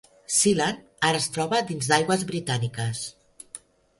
Sealand ara es troba dins d'aigües britàniques.